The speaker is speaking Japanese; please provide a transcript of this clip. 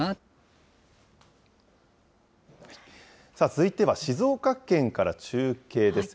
続いては静岡県から中継です。